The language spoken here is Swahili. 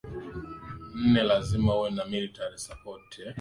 nne lazima uwe na military support eeh